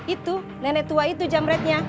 itu nenek tua itu jamretnya